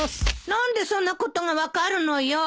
何でそんなことが分かるのよ。